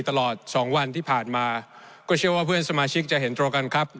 ตลอดสองวันที่ผ่านมาก็เชื่อว่าเพื่อนสมาชิกจะเห็นตรงกันครับ